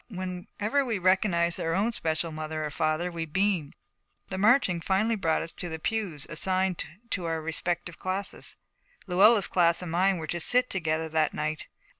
Whenever we recognized our own special mother or father, we beamed. The marching finally brought us to the pews assigned to our respective classes. Luella's class and mine were to sit together that night.